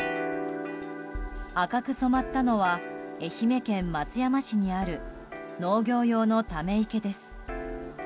赤く染まったのは愛媛県松山市にある農業用のため池です。